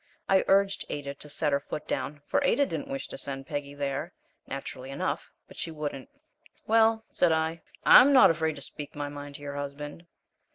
I urged Ada to set her foot down, for Ada didn't wish to send Peggy there, naturally enough, but she wouldn't. "Well," said I, "I'M not afraid to speak my mind to your husband."